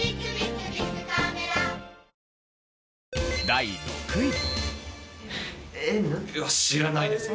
第６位。